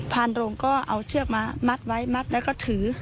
พานโรงก็เอาเชือกมามัดไว้มัดแล้วก็ถือ